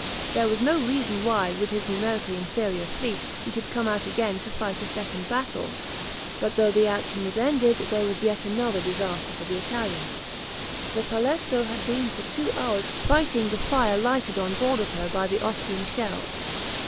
There was no reason why, with his numerically inferior fleet, he should come out again to fight a second battle. But though the action was ended, there was yet another disaster for the Italians. The "Palestro" had been for two hours fighting the fire lighted on board of her by the Austrian shells.